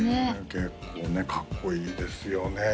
結構ねかっこいいですよね